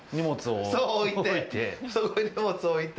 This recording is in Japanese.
ここに荷物を置いて。